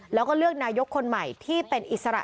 แล้วก็เลือกนายกคนใหม่ที่เป็นอิสระ